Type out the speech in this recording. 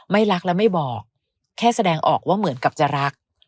ไม่รักและไม่บอกแค่แสดงออกว่าเหมือนกับจะรัก